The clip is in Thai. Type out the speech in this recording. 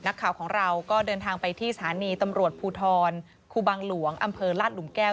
นักข่าวของเราก็เดินทางไปที่สถานีตำรวจภูทรครูบังหลวงอำเภอลาดหลุมแก้ว